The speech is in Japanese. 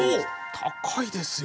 高いですよ。